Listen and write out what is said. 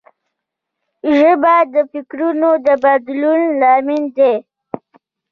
ژبه د فکرونو د بدلون لامل ده